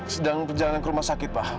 sedang perjalanan ke rumah sakit pak